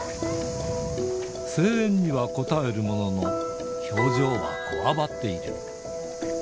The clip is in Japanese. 声援には応えるものの、表情はこわばっている。